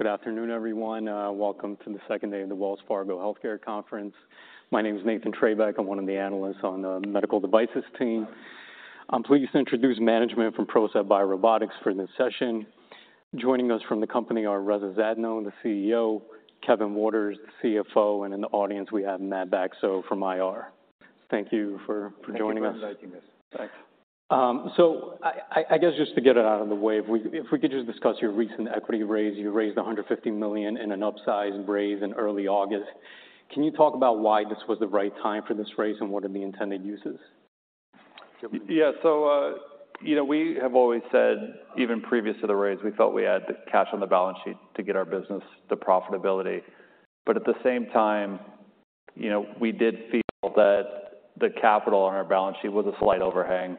Good afternoon, everyone. Welcome to the second day of the Wells Fargo Healthcare Conference. My name is Nathan Trebeck. I'm one of the analysts on the medical devices team. I'm pleased to introduce management from PROCEPT BioRobotics for this session. Joining us from the company are Reza Zadno, the CEO, Kevin Waters, the CFO, and in the audience, we have Matt Bacso from IR. Thank you for joining us. Thank you for inviting us. Thanks. So I guess just to get it out of the way, if we could just discuss your recent equity raise. You raised $150 million in an upsized raise in early August. Can you talk about why this was the right time for this raise, and what are the intended uses? Kevin Waters? Yeah. So, you know, we have always said, even previous to the raise, we felt we had the cash on the balance sheet to get our business to profitability. But at the same time, you know, we did feel that the capital on our balance sheet was a slight overhang,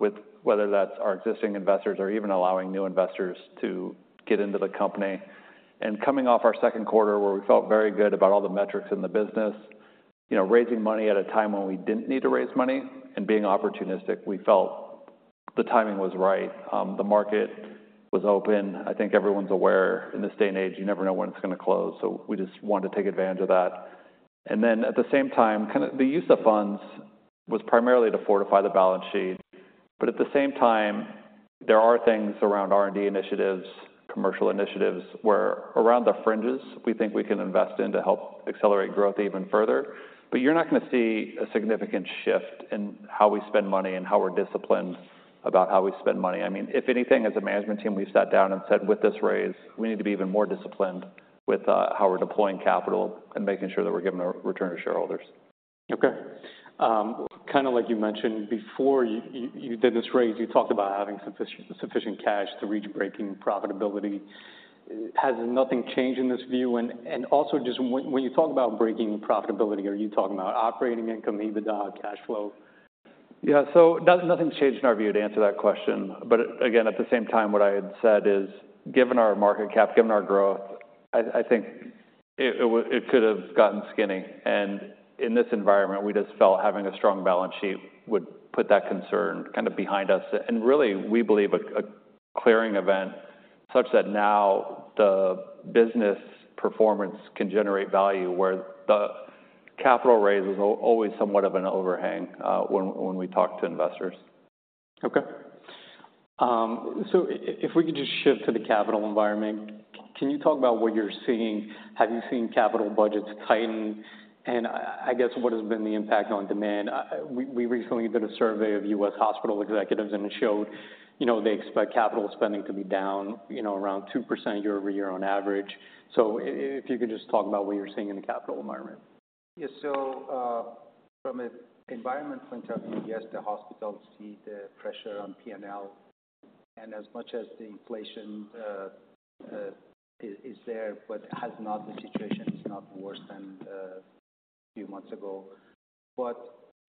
with whether that's our existing investors or even allowing new investors to get into the company. And coming off our Q2, where we felt very good about all the metrics in the business, you know, raising money at a time when we didn't need to raise money and being opportunistic, we felt the timing was right. The market was open. I think everyone's aware, in this day and age, you never know when it's going to close, so we just wanted to take advantage of that. And then, at the same time, kind of the use of funds was primarily to fortify the balance sheet. But at the same time, there are things around R&D initiatives, commercial initiatives, where around the fringes we think we can invest in to help accelerate growth even further. But you're not going to see a significant shift in how we spend money and how we're disciplined about how we spend money. I mean, if anything, as a management team, we sat down and said, with this raise, we need to be even more disciplined with how we're deploying capital and making sure that we're giving a return to shareholders. Okay. Kind of like you mentioned before, you did this raise, you talked about having sufficient cash to reach breaking profitability. Has nothing changed in this view? And also just when you talk about breaking profitability, are you talking about operating income, EBITDA, cash flow? Yeah. So nothing's changed in our view, to answer that question. But again, at the same time, what I had said is, given our market cap, given our growth, I think it could have gotten skinny. And in this environment, we just felt having a strong balance sheet would put that concern kind of behind us. And really, we believe a clearing event such that now the business performance can generate value, where the capital raise is always somewhat of an overhang, when we talk to investors. Okay. So if we could just shift to the capital environment, can you talk about what you're seeing? Have you seen capital budgets tighten? And I guess, what has been the impact on demand? We recently did a survey of U.S. hospital executives, and it showed, you know, they expect capital spending to be down, you know, around 2% year-over-year on average. So if you could just talk about what you're seeing in the capital environment. Yeah. So, from an environment point of view, yes, the hospitals see the pressure on P&L, and as much as the inflation is there, but has not, the situation is not worse than a few months ago. But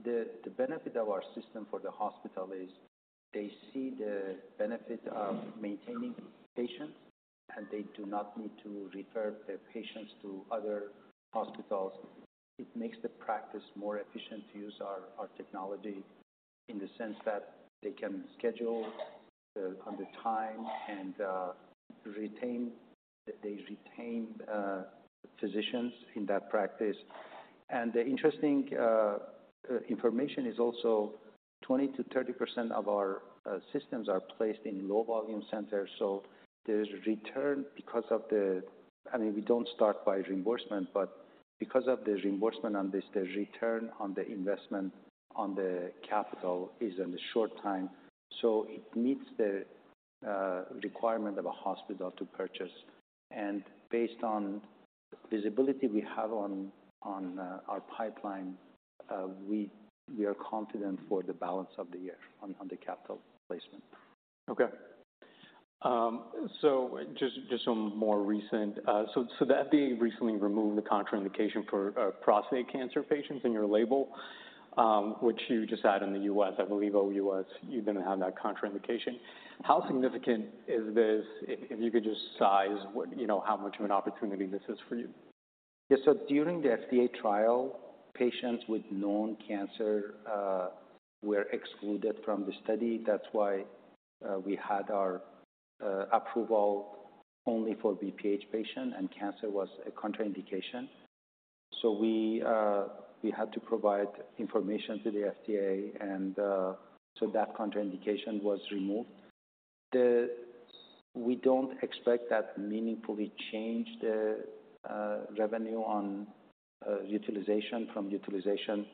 the benefit of our system for the hospital is they see the benefit of maintaining patients, and they do not need to refer their patients to other hospitals. It makes the practice more efficient to use our technology in the sense that they can schedule on the time and retain... They retain physicians in that practice. The interesting information is also 20%-30% of our systems are placed in low-volume centers, so there is return because of the, I mean, we don't start by reimbursement, but because of the reimbursement on this, the return on the investment on the capital is in a short time. So it meets the requirement of a hospital to purchase, and based on visibility we have on our pipeline, we are confident for the balance of the year on the capital placement. Okay. So the FDA recently removed the contraindication for prostate cancer patients in your label, w.hich you just had in the U.S. I believe, OS., you didn't have that contraindication. How significant is this? If you could just size what, you know, how much of an opportunity this is for you. Yeah. So during the FDA trial, patients with known cancer were excluded from the study. That's why we had our approval only for BPH patient, and cancer was a contraindication. So we had to provide information to the FDA, and so that contraindication was removed. We don't expect that meaningfully change the revenue on utilization from utilization.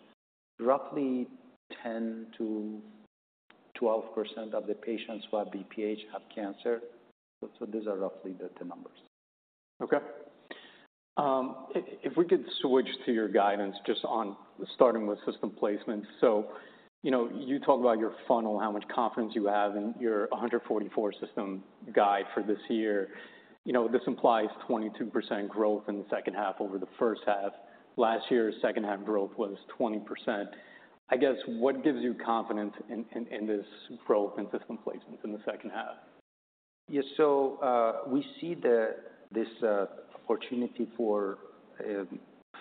Roughly 10%-12% of the patients who have BPH have cancer, so those are roughly the numbers. Okay. If we could switch to your guidance, just on starting with system placement. So, you know, you talk about your funnel, how much confidence you have in your 144 system guide for this year. You know, this implies 22% growth in the H2 over the H1. Last year's H2 growth was 20%. I guess, what gives you confidence in this growth in system placements in the H2? Yeah. So, we see this opportunity for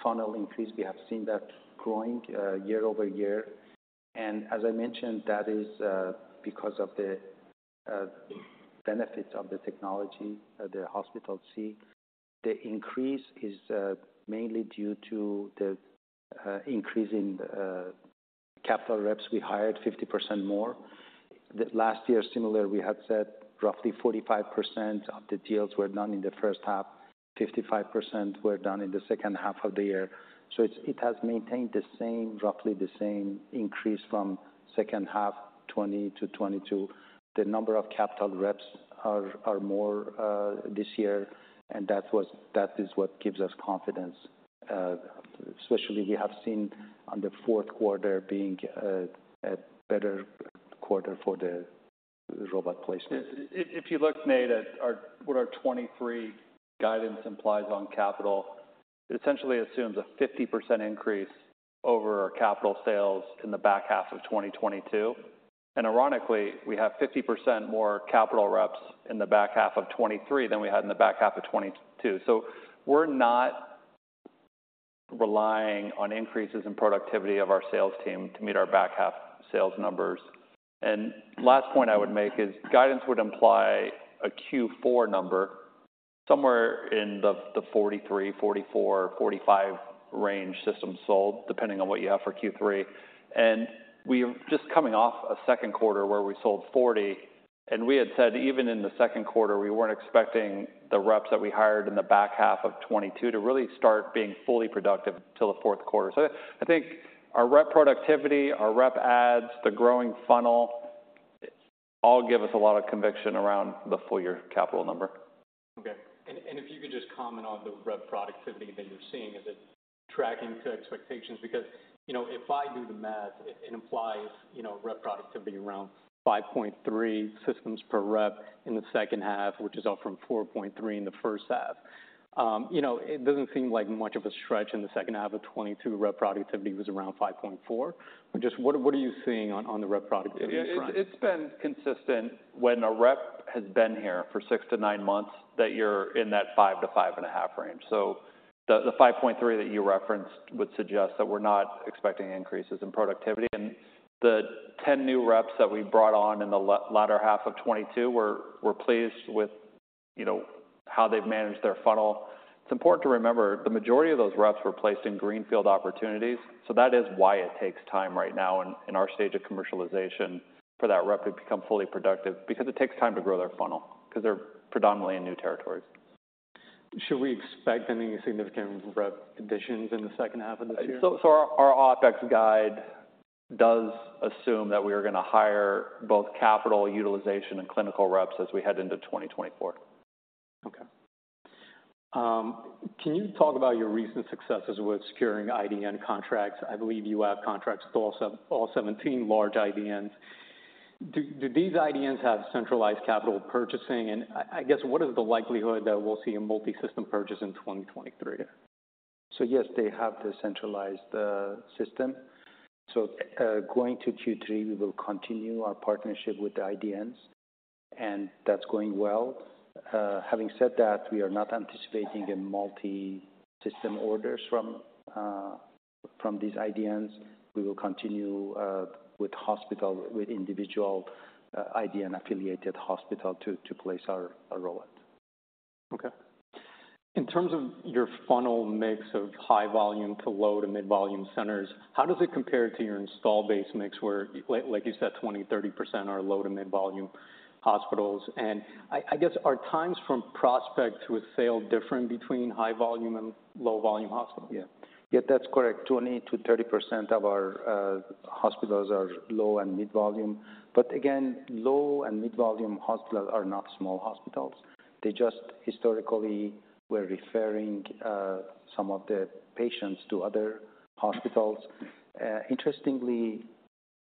funnel increase. We have seen that growing year-over-year. And as I mentioned, that is because of the benefits of the technology that the hospitals see. The increase is mainly due to the increase in capital reps. We hired 50% more. Last year, similar, we had said roughly 45% of the deals were done in the H1, 55% were done in the H2 of the year. So it has maintained the same, roughly the same increase from H2 2020 to 2022. The number of capital reps are more this year, and that was, that is what gives us confidence. Especially we have seen the Q4 being a better quarter for the robot placement. If you look, Nathan Trebeck, at our, what our 2023 guidance implies on capital, it essentially assumes a 50% increase over our capital sales in the back half of 2022. And ironically, we have 50% more capital reps in the back half of 2023 than we had in the back half of 2022. So we're not relying on increases in productivity of our sales team to meet our back half sales numbers. And last point I would make is guidance would imply a Q4 number somewhere in the 43-45 range systems sold, depending on what you have for Q3. And we're just coming off a Q2 where we sold 40, and we had said even in the Q2, we weren't expecting the reps that we hired in the back half of 2022 to really start being fully productive till the Q4. So I think our rep productivity, our rep adds, the growing funnel, all give us a lot of conviction around the full year capital number. Okay. And if you could just comment on the rep productivity that you're seeing, is it tracking to expectations? Because, you know, if I do the math, it implies, you know, rep productivity around 5.3 systems per rep in the H2, which is up from 4.3 in the H1. You know, it doesn't seem like much of a stretch in the H2 of 2022, rep productivity was around 5.4. But just what are you seeing on the rep productivity front? It's been consistent when a rep has been here for six months -nine months, that you're in that 5-5.5 range. So the 5.3 that you referenced would suggest that we're not expecting increases in productivity. And the 10 new reps that we brought on in the latter half of 2022, we're pleased with, you know, how they've managed their funnel. It's important to remember, the majority of those reps were placed in greenfield opportunities, so that is why it takes time right now in our stage of commercialization for that rep to become fully productive, because it takes time to grow their funnel, because they're predominantly in new territories. Should we expect any significant rep additions in the H2 of this year? So, our OpEx guide does assume that we are going to hire both capital utilization and clinical reps as we head into 2024. Okay. Can you talk about your recent successes with securing IDN contracts? I believe you have contracts with all 17 large IDNs. Do these IDNs have centralized capital purchasing? And I guess, what is the likelihood that we'll see a multi-system purchase in 2023? So yes, they have the centralized system. Going to Q3, we will continue our partnership with the IDNs, and that's going well. Having said that, we are not anticipating the multi-system orders from these IDNs. We will continue with individual IDN-affiliated hospitals to place our robot. Okay. In terms of your funnel mix of high volume to low to mid-volume centers, how does it compare to your install base mix, where like, like you said, 20%-30% are low-to-mid-volume hospitals? And I, I guess, are times from prospect to a sale different between high volume and low volume hospitals? Yeah. Yeah, that's correct. 20%-30% of our hospitals are low and mid-volume, but again, low and mid-volume hospitals are not small hospitals. They just historically were referring some of the patients to other hospitals. Interestingly,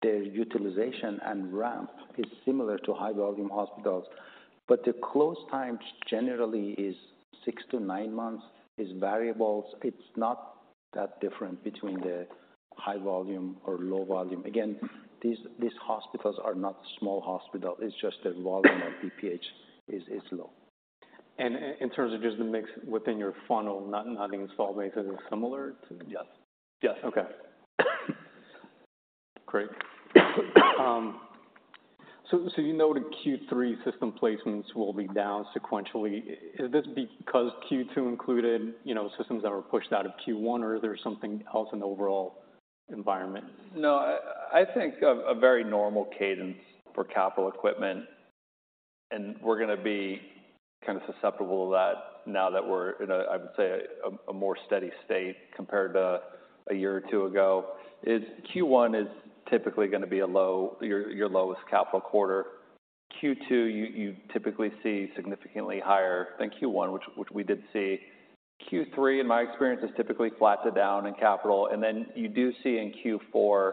the utilization and ramp is similar to high volume hospitals, but the close times generally is six months-ninemonths. It's variables. It's not that different between the high volume or low volume. Again, these, these hospitals are not small hospital. It's just the volume of BPH is, is low. In terms of just the mix within your funnel, not install base, is it similar to? Yes. Yes. Okay. Great. So you noted Q3 system placements will be down sequentially. Is this because Q2 included, you know, systems that were pushed out of Q1, or is there something else in the overall environment? No, I think a very normal cadence for capital equipment, and we're going to be kind of susceptible to that now that we're in a, I would say, a more steady state compared to a year or two ago. It's Q1 is typically going to be a low... your lowest capital quarter. Q2, you typically see significantly higher than Q1, which we did see. Q3, in my experience, is typically flat to down in capital, and then you do see in Q4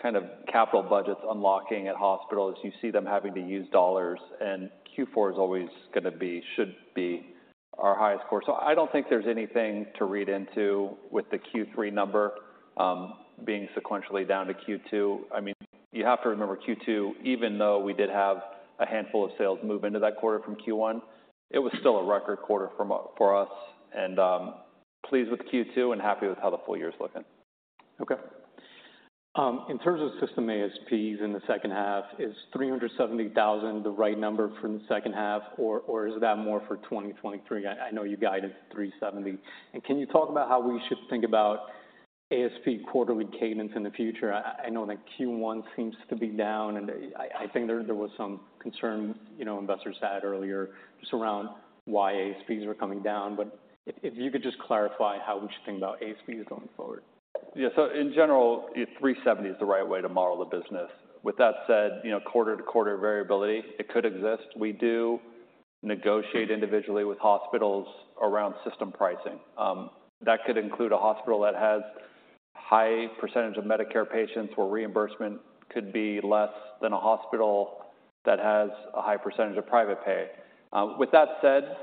kind of capital budgets unlocking at hospitals. You see them having to use dollars, and Q4 is always going to be, should be our highest quarter. So I don't think there's anything to read into with the Q3 number being sequentially down to Q2. I mean, you have to remember Q2, even though we did have a handful of sales move into that quarter from Q1, it was still a record quarter for us, and pleased with Q2 and happy with how the full year is looking. Okay. In terms of system ASPs in the H2, is $370,000 the right number for the H2, or is that more for 2023? I know you guided $370,000. And can you talk about how we should think about ASP quarterly cadence in the future? I know that Q1 seems to be down, and I think there was some concern, you know, investors had earlier just around why ASPs were coming down. But if you could just clarify how we should think about ASPs going forward. Yeah. In general, $370 is the right way to model the business. With that said, you know, quarter-to-quarter variability, it could exist. We do negotiate individually with hospitals around system pricing. That could include a hospital that has a high percentage of Medicare patients, where reimbursement could be less than a hospital that has a high percentage of private pay. With that said,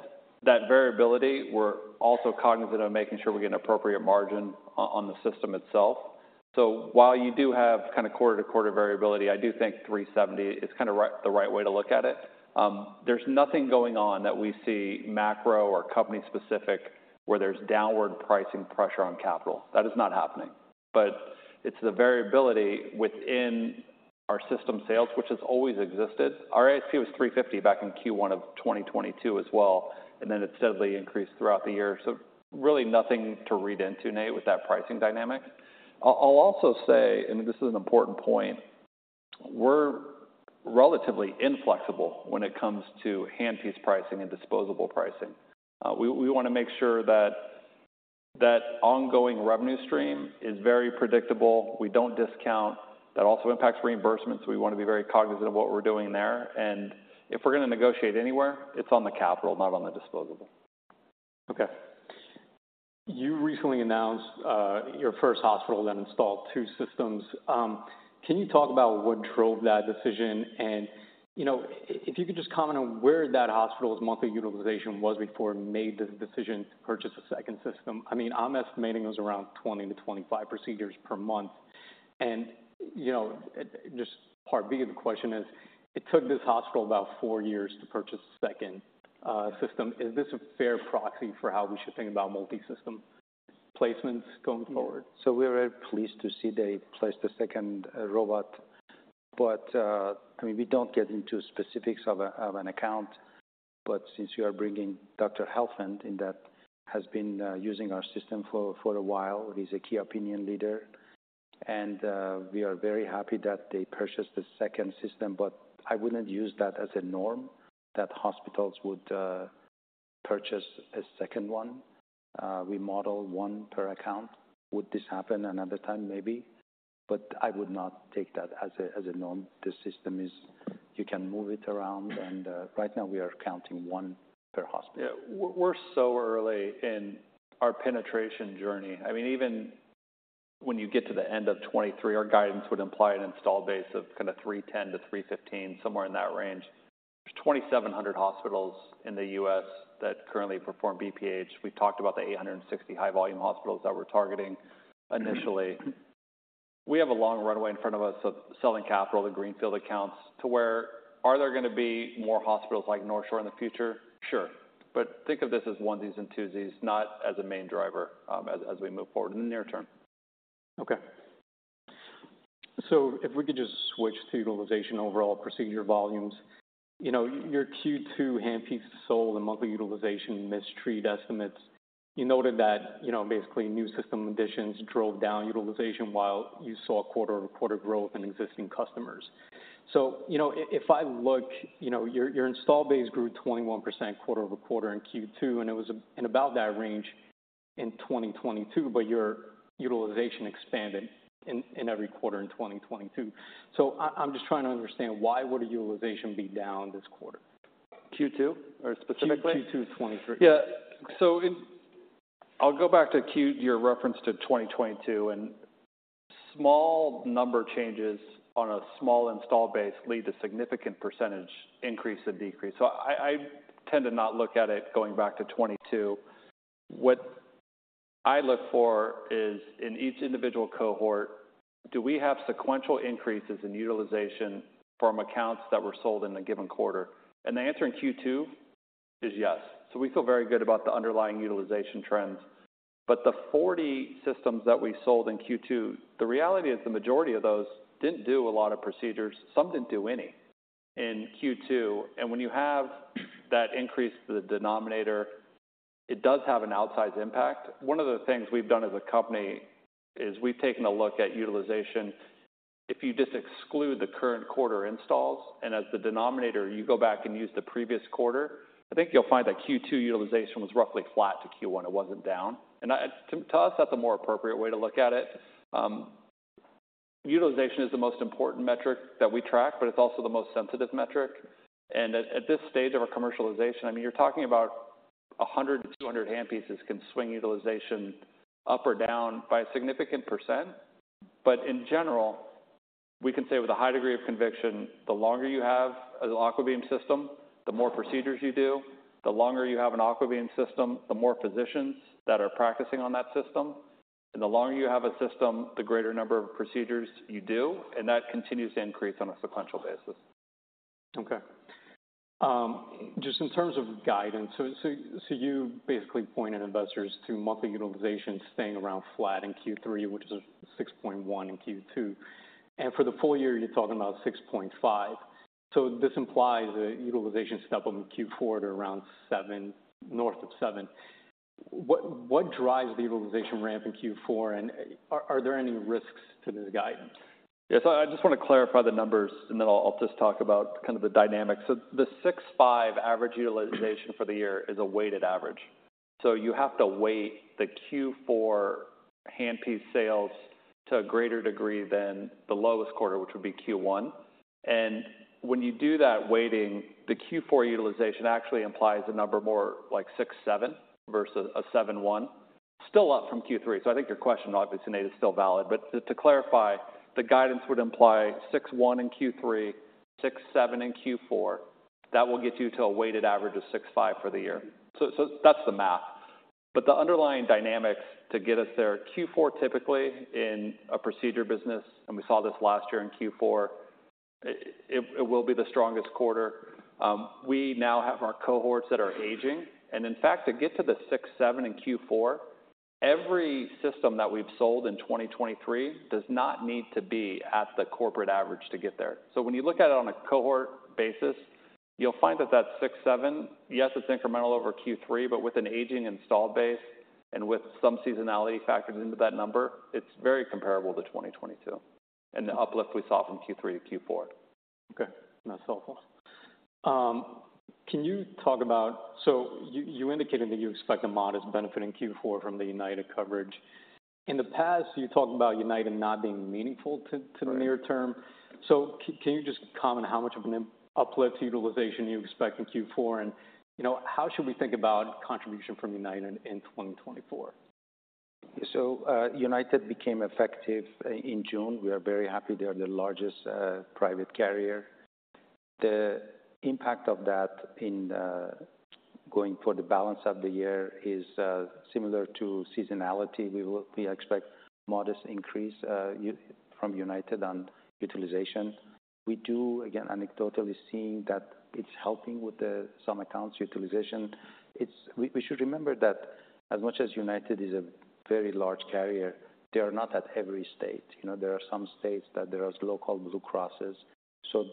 that variability, we're also cognizant of making sure we get an appropriate margin on, on the system itself. While you do have kind of quarter-to-quarter variability, I do think $370 is kind of the right way to look at it. There's nothing going on that we see macro or company specific, where there's downward pricing pressure on capital. That is not happening. It's the variability within our system sales, which has always existed. Our ASP was $350 back in Q1 of 2022 as well, and then it steadily increased throughout the year. So really nothing to read into, Nathan Trebeck, with that pricing dynamic. I'll also say, and this is an important point, we're relatively inflexible when it comes to handpiece pricing and disposable pricing. We want to make sure that that ongoing revenue stream is very predictable. We don't discount. That also impacts reimbursements, so we want to be very cognizant of what we're doing there. If we're going to negotiate anywhere, it's on the capital, not on the disposable. Okay. You recently announced your first hospital that installed two systems. Can you talk about what drove that decision? And, you know, if you could just comment on where that hospital's monthly utilization was before it made the decision to purchase a second system. I mean, I'm estimating it was around 20-25 procedures per month. And, you know, just part B of the question is: it took this hospital about four years to purchase a second system. Is this a fair proxy for how we should think about multisystem placements going forward? So we are very pleased to see they placed a second robot, but I mean, we don't get into specifics of an account. But since you are bringing Dr. Brian Helfand in, that has been using our system for a while, he's a key opinion leader, and we are very happy that they purchased a second system. But I wouldn't use that as a norm, that hospitals would purchase a second one. We model one per account. Would this happen another time? Maybe. But I would not take that as a norm. The system is... You can move it around, and right now we are counting one per hospital. Yeah. We're so early in our penetration journey. I mean, even when you get to the end of 2023, our guidance would imply an installed base of kind of 310-315, somewhere in that range. There's 2,700 hospitals in the U.S. that currently perform BPH. We've talked about the 860 high-volume hospitals that we're targeting initially. We have a long runway in front of us of selling capital to greenfield accounts to where... Are there going to be more hospitals like NorthShore in the future? Sure. But think of this as onesies and twosies, not as a main driver, as we move forward in the near-term. Okay. So if we could just switch to utilization overall, procedure volumes. You know, your Q2 handpiece sold and monthly utilization missed street estimates. You noted that, you know, basically new system additions drove down utilization, while you saw quarter-over-quarter growth in existing customers. So, you know, if I look, you know, your install base grew 21% quarter-over-quarter in Q2, and it was in about that range in 2022, but your utilization expanded in every quarter in 2022. So I'm just trying to understand, why would utilization be down this quarter? Q2? Or specifically- Q2 of 2023. Yeah. So I'll go back to your reference to 2022, and small number changes on a small install base lead to significant percentage increase and decrease. So I tend to not look at it going back to 2022. What I look for is, in each individual cohort, do we have sequential increases in utilization from accounts that were sold in a given quarter? And the answer in Q2 is yes. So we feel very good about the underlying utilization trends. But the 40 systems that we sold in Q2, the reality is the majority of those didn't do a lot of procedures. Some didn't do any in Q2. And when you have that increase to the denominator, it does have an outsized impact. One of the things we've done as a company is we've taken a look at utilization. If you just exclude the current quarter installs, and as the denominator, you go back and use the previous quarter, I think you'll find that Q2 utilization was roughly flat to Q1. It wasn't down. To us, that's a more appropriate way to look at it. Utilization is the most important metric that we track, but it's also the most sensitive metric. And at this stage of our commercialization, I mean, you're talking about 100-200 handpieces can swing utilization up or down by a significant percent. In general, we can say with a high degree of conviction, the longer you have an AquaBeam System, the more procedures you do, the longer you have an AquaBeam System, the more physicians that are practicing on that system, and the longer you have a system, the greater number of procedures you do, and that continues to increase on a sequential basis.... Okay. Just in terms of guidance, so you basically pointed investors to monthly utilization staying around flat in Q3, which is 6.1 in Q2, and for the full year, you're talking about 6.5. So this implies a utilization step up in Q4 to around 7, north of 7. What drives the utilization ramp in Q4, and are there any risks to this guidance? Yes, I just want to clarify the numbers, and then I'll just talk about kind of the dynamics. So the 6.5 average utilization for the year is a weighted average. So you have to weight the Q4 handpiece sales to a greater degree than the lowest quarter, which would be Q1. And when you do that weighting, the Q4 utilization actually implies a number more like 6.7 versus a 7.1. Still up from Q3, so I think your question obviously is still valid, but just to clarify, the guidance would imply 6.1 in Q3, 6.7 in Q4. That will get you to a weighted average of 6.5 for the year. So that's the math. But the underlying dynamics to get us there, Q4, typically in a procedure business, and we saw this last year in Q4, it will be the strongest quarter. We now have our cohorts that are aging, and in fact, to get to the six-seven in Q4, every system that we've sold in 2023 does not need to be at the corporate average to get there. So when you look at it on a cohort basis, you'll find that that six-seven, yes, it's incremental over Q3, but with an aging installed base and with some seasonality factored into that number, it's very comparable to 2022 and the uplift we saw from Q3 to Q4. Okay, that's helpful. Can you talk about... So you indicated that you expect a modest benefit in Q4 from the UnitedHealthcare coverage. In the past, you talked about UnitedHealthcare not being meaningful to- Right -to the near-term. So can you just comment how much of an uplift to utilization you expect in Q4, and, you know, how should we think about contribution from UnitedHealthcare in 2024? So, UnitedHealthcare became effective in June. We are very happy. They are the largest private carrier. The impact of that in going for the balance of the year is similar to seasonality. We expect modest increase from UnitedHealthcare on utilization. We do, again, anecdotally seeing that it's helping with the some accounts' utilization. We should remember that as much as UnitedHealthcare is a very large carrier, they are not at every state. You know, there are some states that there is local Blue Crosses. So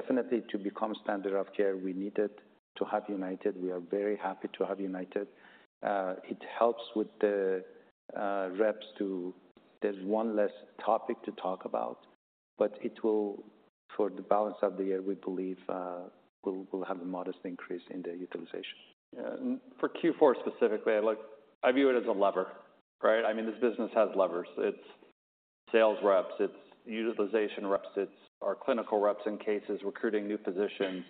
definitely to become standard of care, we needed to have UnitedHealthcare. We are very happy to have UnitedHealthcare. It helps with the reps to... There's one less topic to talk about, but it will, for the balance of the year, we believe, we'll have a modest increase in the utilization. Yeah, and for Q4 specifically, I view it as a lever, right? I mean, this business has levers. It's sales reps, it's utilization reps, it's our clinical reps in cases recruiting new physicians.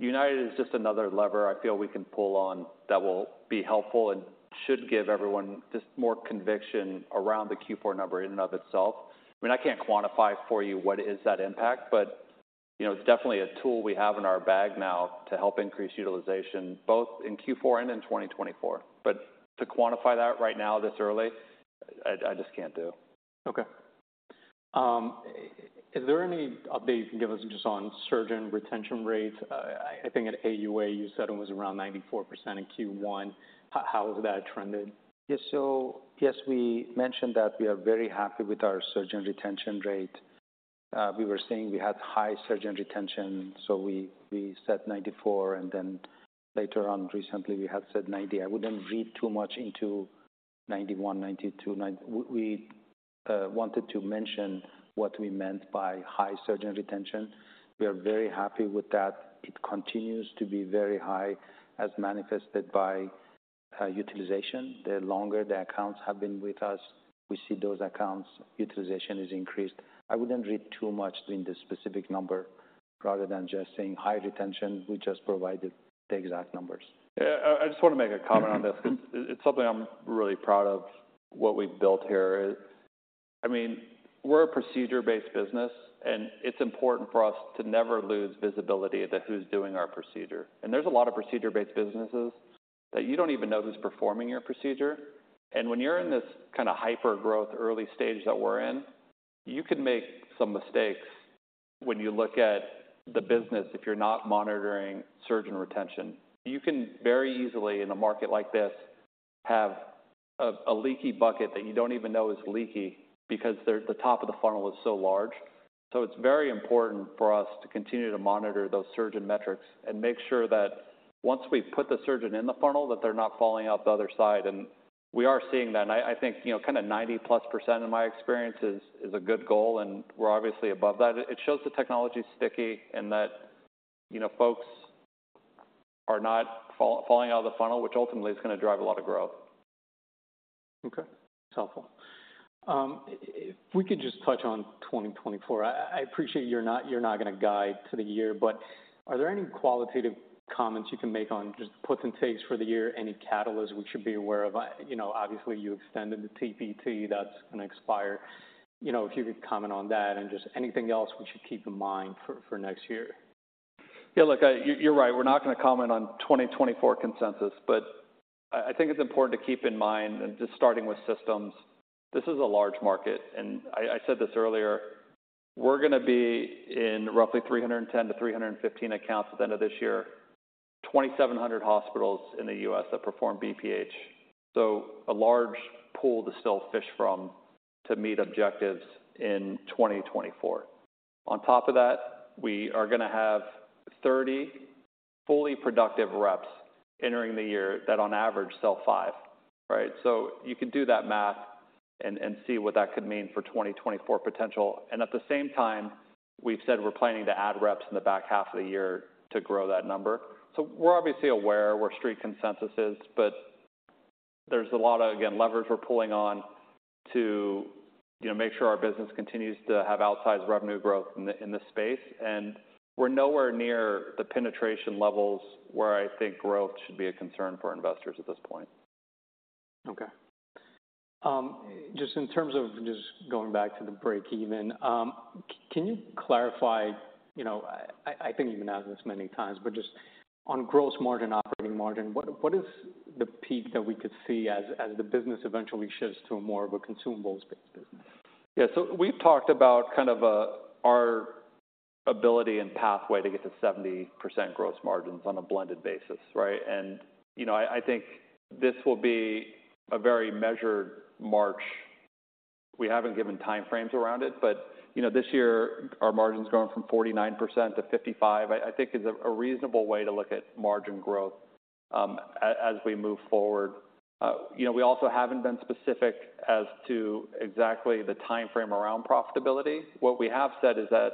UnitedHealthcare is just another lever I feel we can pull on that will be helpful and should give everyone just more conviction around the Q4 number in and of itself. I mean, I can't quantify for you what is that impact, but, you know, it's definitely a tool we have in our bag now to help increase utilization both in Q4 and in 2024. But to quantify that right now, this early, I, I just can't do. Okay. Is there any update you can give us just on surgeon retention rates? I think at AUA, you said it was around 94% in Q1. How has that trended? Yeah. So yes, we mentioned that we are very happy with our surgeon retention rate. We were saying we had high surgeon retention, so we said 94%, and then later on, recently, we had said 90%. I wouldn't read too much into 91%, 92%, nine- We wanted to mention what we meant by high surgeon retention. We are very happy with that. It continues to be very high, as manifested by utilization. The longer the accounts have been with us, we see those accounts' utilization is increased. I wouldn't read too much in the specific number. Rather than just saying high retention, we just provided the exact numbers. Yeah, I just want to make a comment on this, because it's something I'm really proud of, what we've built here. I mean, we're a procedure-based business, and it's important for us to never lose visibility into who's doing our procedure. And there's a lot of procedure-based businesses that you don't even know who's performing your procedure, and when you're in this kind of hyper-growth early stage that we're in, you can make some mistakes when you look at the business if you're not monitoring surgeon retention. You can very easily, in a market like this, have a leaky bucket that you don't even know is leaky because the top of the funnel is so large. So it's very important for us to continue to monitor those surgeon metrics and make sure that once we put the surgeon in the funnel, that they're not falling out the other side, and we are seeing that. And I think, you know, kind of 90+% of my experience is a good goal, and we're obviously above that. It shows the technology is sticky and that, you know, folks are not falling out of the funnel, which ultimately is going to drive a lot of growth. Okay, that's helpful. If we could just touch on 2024. I appreciate you're not going to guide to the year, but are there any qualitative comments you can make on just puts and takes for the year? Any catalysts we should be aware of? You know, obviously you extended the TPT that's going to expire. You know, if you could comment on that and just anything else we should keep in mind for next year. Yeah, look, you're right, we're not going to comment on 2024 consensus, but I think it's important to keep in mind, and just starting with systems, this is a large market, and I said this earlier: we're gonna be in roughly 310-315 accounts at the end of this year. 2,700 hospitals in the U.S. that perform BPH, so a large pool to still fish from to meet objectives in 2024. On top of that, we are gonna have 30 fully productive reps entering the year that on average sell five, right? So you can do that math and see what that could mean for 2024 potential. And at the same time, we've said we're planning to add reps in the back half of the year to grow that number. We're obviously aware where Street consensus is, but there's a lot of, again, levers we're pulling on to, you know, make sure our business continues to have outsized revenue growth in the, in this space. We're nowhere near the penetration levels where I think growth should be a concern for investors at this point. Okay. Just in terms of just going back to the break-even, can you clarify, you know, I think you've been asked this many times, but just on gross margin, operating margin, what is the peak that we could see as the business eventually shifts to more of a consumables-based business? Yeah, so we've talked about kind of our ability and pathway to get to 70% gross margins on a blended basis, right? And, you know, I think this will be a very measured march. We haven't given timeframes around it, but, you know, this year, our margin's grown from 49% to 55%. I think it's a reasonable way to look at margin growth, as we move forward. You know, we also haven't been specific as to exactly the timeframe around profitability. What we have said is that,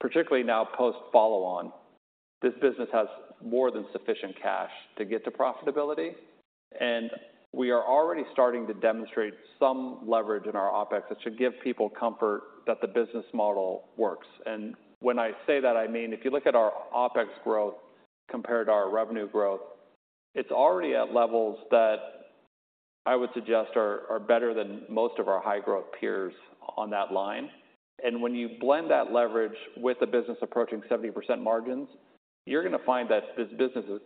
particularly now post follow-on, this business has more than sufficient cash to get to profitability, and we are already starting to demonstrate some leverage in our OpEx that should give people comfort that the business model works. And when I say that, I mean, if you look at our OpEx growth compared to our revenue growth, it's already at levels that I would suggest are better than most of our high-growth peers on that line. And when you blend that leverage with the business approaching 70% margins, you're gonna find that this business is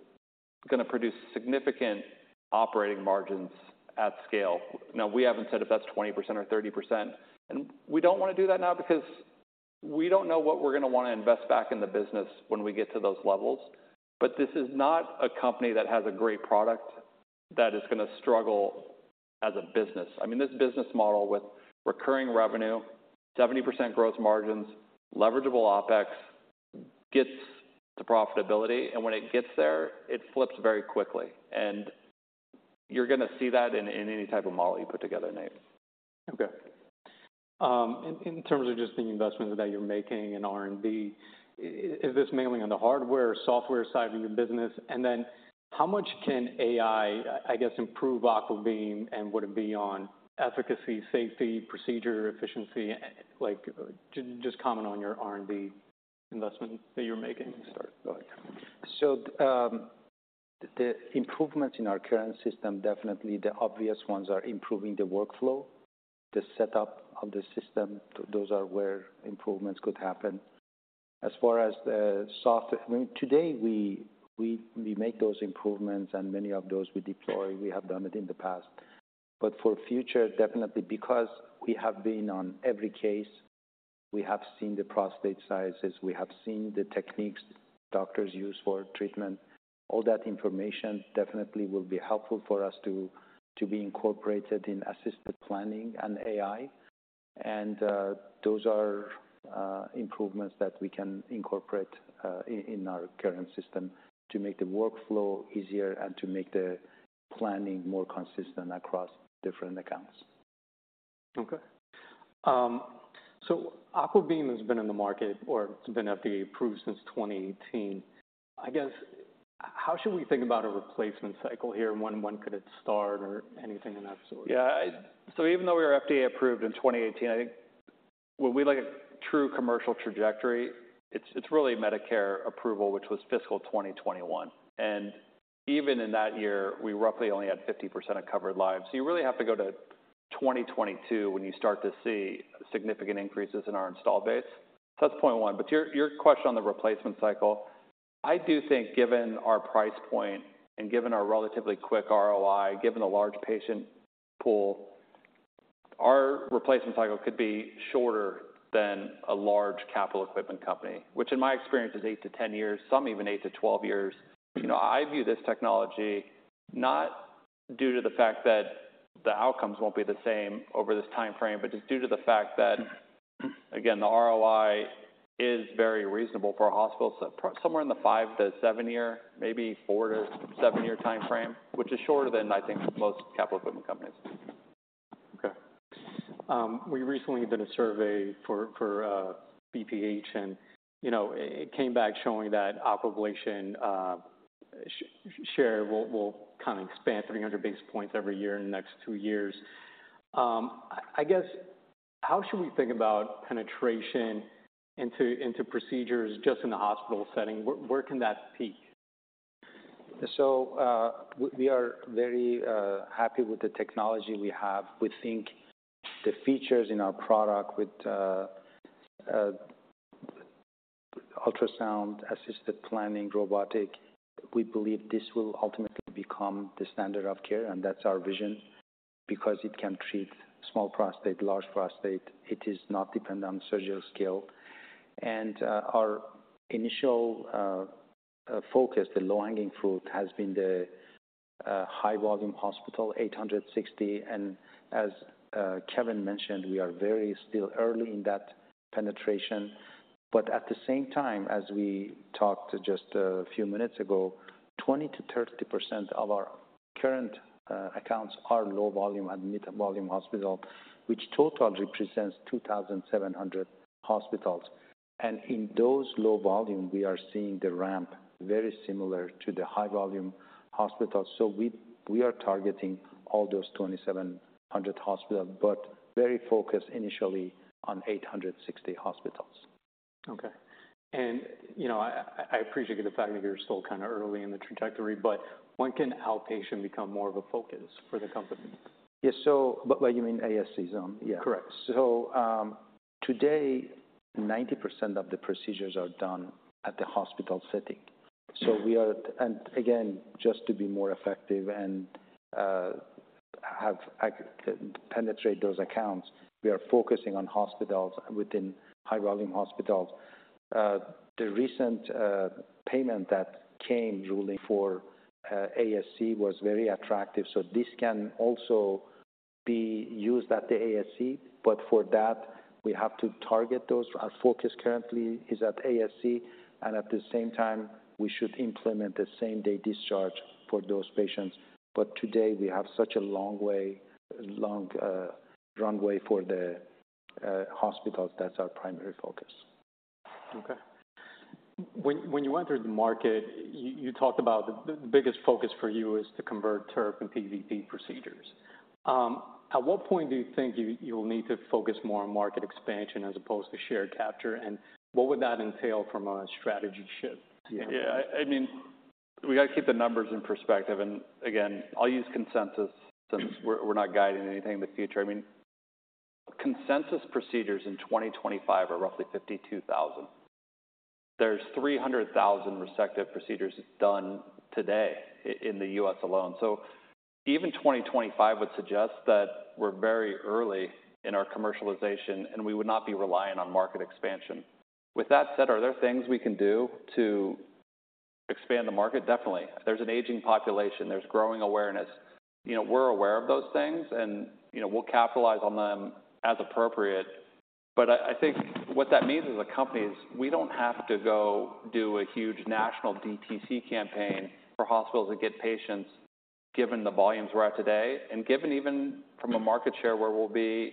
gonna produce significant operating margins at scale. Now, we haven't said if that's 20% or 30%, and we don't wanna do that now, because we don't know what we're gonna wanna invest back in the business when we get to those levels. But this is not a company that has a great product that is gonna struggle as a business. I mean, this business model with recurring revenue, 70% gross margins, leveragable OpEx, gets to profitability, and when it gets there, it flips very quickly. You're gonna see that in any type of model you put together, Nathan Trebeck. Okay. In terms of just the investments that you're making in R&D, is this mainly on the hardware or software side of your business? And then how much can AI, I guess, improve AquaBeam, and would it be on efficacy, safety, procedure, efficiency? Like, just comment on your R&D investment that you're making. Start, go ahead. The improvements in our current system, definitely the obvious ones, are improving the workflow, the setup of the system. Those are where improvements could happen. As far as the soft... I mean, today, we, we make those improvements, and many of those we deploy, we have done it in the past. For future, definitely, because we have been on every case, we have seen the prostate sizes, we have seen the techniques doctors use for treatment, all that information definitely will be helpful for us to, to be incorporated in assisted planning and AI. Those are improvements that we can incorporate in our current system to make the workflow easier and to make the planning more consistent across different accounts. Okay. So AquaBeam has been in the market, or it's been FDA approved since 2018. I guess, how should we think about a replacement cycle here, and when could it start? Or anything of that sort. Yeah, so even though we were FDA approved in 2018, I think when we look at true commercial trajectory, it's really Medicare approval, which was fiscal 2021, and even in that year, we roughly only had 50% of covered lives. So you really have to go to 2022 when you start to see significant increases in our installed base. So that's point one. But your question on the replacement cycle, I do think, given our price point and given our relatively quick ROI, given the large patient pool, our replacement cycle could be shorter than a large capital equipment company, which in my experience is eight years-10 years, some even eight years-12 years. You know, I view this technology not due to the fact that the outcomes won't be the same over this timeframe, but just due to the fact that, again, the ROI is very reasonable for a hospital, so somewhere in the five-seven-year, maybe four-seven-year timeframe, which is shorter than I think most capital equipment companies. Okay. We recently did a survey for BPH, and, you know, it came back showing that Aquablation share will kind of expand 300 basis points every year in the next two years. I guess, how should we think about penetration into procedures just in the hospital setting? Where can that peak? So, we are very happy with the technology we have. We think the features in our product with ultrasound-assisted planning, robotic. We believe this will ultimately become the standard of care, and that's our vision, because it can treat small prostate, large prostate. It is not dependent on surgical skill. And our initial focus, the low-hanging fruit, has been the high-volume hospital, 860. And as Kevin Waters mentioned, we are very still early in that penetration. But at the same time, as we talked just a few minutes ago, 20%-30% of our current accounts are low volume and mid-volume hospital, which total represents 2,700 hospitals. And in those low volume, we are seeing the ramp very similar to the high-volume hospitals. So we are targeting all those 2,700 hospitals, but very focused initially on 860 hospitals. Okay. You know, I appreciate the fact that you're still kind of early in the trajectory, but when can outpatient become more of a focus for the company? Yes. By, you mean ASCs, yeah. Correct. Today, 90% of the procedures are done at the hospital setting. We are. And again, just to be more effective and, have penetrate those accounts, we are focusing on hospitals within high-volume hospitals. The recent, payment that came ruling for, ASC was very attractive, so this can also be used at the ASC, but for that, we have to target those. Our focus currently is at ASC, and at the same time, we should implement the same-day discharge for those patients. But today, we have such a long way, long, runway for the, hospitals. That's our primary focus. Okay. When you entered the market, you talked about the biggest focus for you is to convert TURP and PVP procedures. At what point do you think you'll need to focus more on market expansion as opposed to share capture, and what would that entail from a strategy shift? Yeah, I mean, we got to keep the numbers in perspective, and again, I'll use consensus since we're not guiding anything in the future. I mean, consensus procedures in 2025 are roughly 52,000. There's 300,000 resective procedures done today in the U.S. alone. So even 2025 would suggest that we're very early in our commercialization, and we would not be relying on market expansion. With that said, are there things we can do to expand the market? Definitely. There's an aging population, there's growing awareness. You know, we're aware of those things and, you know, we'll capitalize on them as appropriate. But I think what that means as a company is we don't have to go do a huge national DTC campaign for hospitals to get patients, given the volumes we're at today, and given even from a market share, where we'll be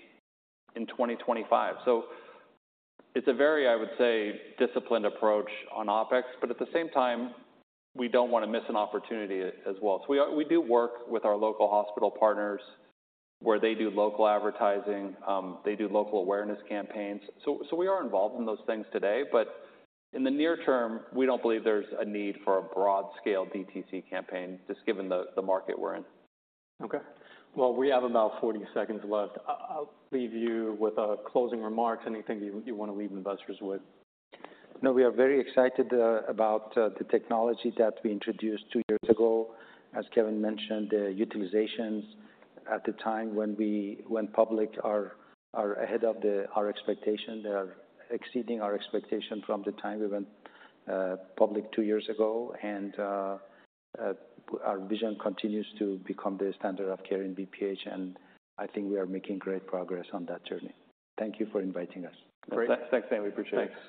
in 2025. So it's a very, I would say, disciplined approach on OpEx, but at the same time, we don't want to miss an opportunity as well. So we are. We do work with our local hospital partners, where they do local advertising, they do local awareness campaigns. So we are involved in those things today, but in the near-term, we don't believe there's a need for a broad-scale DTC campaign, just given the market we're in. Okay. Well, we have about 40 seconds left. I'll leave you with closing remarks, anything you want to leave investors with. No, we are very excited about the technology that we introduced two years ago. As Kevin Waters mentioned, the utilizations at the time when we went public are ahead of our expectation. They are exceeding our expectation from the time we went public two years ago, and our vision continues to become the standard of care in BPH, and I think we are making great progress on that journey. Thank you for inviting us. Great. Thanks, again. We appreciate it.